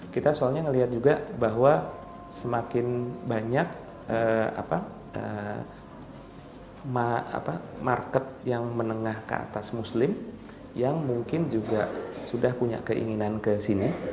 kita soalnya ngelihat juga bahwa semakin banyak market yang menengah ke atas muslim yang mungkin juga sudah punya keinginan ke sini